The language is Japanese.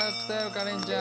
カレンちゃん。